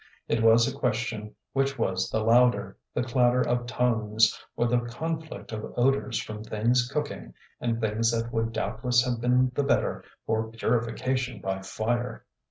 It was a question which was the louder, the clatter of tongues or the conflict of odours from things cooking and things that would doubtless have been the better for purification by fire.